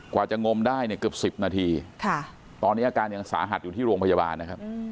กว่าจะงมได้เนี่ยเกือบ๑๐นาทีตอนนี้อาการยังสาหัสอยู่ที่โรงพยาบาลนะครับ